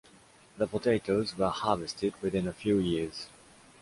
The potatoes were harvested within a few years.